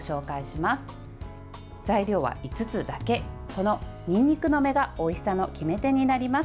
このにんにくの芽がおいしさの決め手になります。